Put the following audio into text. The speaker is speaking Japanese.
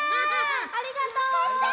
ありがとう！